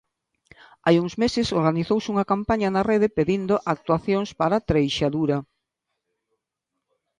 Hai uns meses organizouse unha campaña na rede pedindo actuacións para Treixadura.